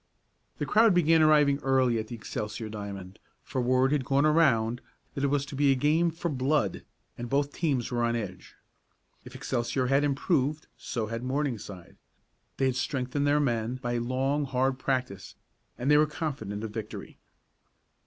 The crowd began arriving early at the Excelsior diamond, for word had gone around that it was to be a game for "blood," and both teams were on edge. If Excelsior had improved, so had Morningside. They had strengthened their men by long, hard practice, and they were confident of victory.